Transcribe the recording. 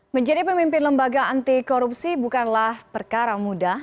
menjadi pemimpin lembaga anti korupsi bukanlah perkara mudah